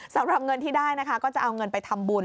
สำหรับเงินที่ได้นะคะก็จะเอาเงินไปทำบุญ